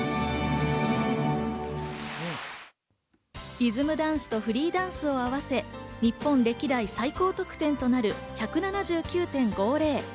リズムダンスとフリーダンスを合わせ、日本歴代最高得点となる１７９．５０。